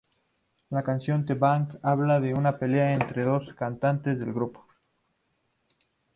La canción "The Band" habla de una pelea entre los dos cantantes del grupo.